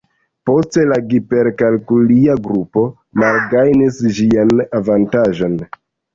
Poste la giperkalkulia grupo malgajnis ĝian avantaĝon.